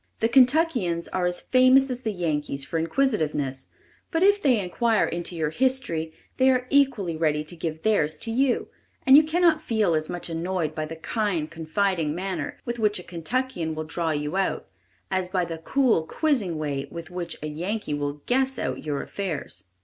The Kentuckians are as famous as the Yankees for inquisitiveness, but if they inquire into your history, they are equally ready to give theirs to you, and you cannot feel as much annoyed by the kind, confiding manner with which a Kentuckian will draw you out, as by the cool, quizzing way with which a Yankee will "guess" out your affairs.